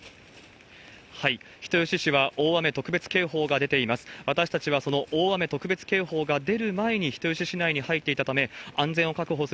人吉市は大雨特別警報が出ています。